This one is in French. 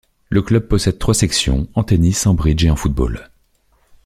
Le club possède trois sections, en tennis, en bridge et en football.